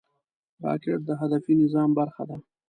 راکټ د هدفي نظام برخه ده